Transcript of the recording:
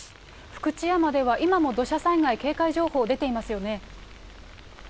福知山では、今も土砂災害警戒情報、出ていますよね。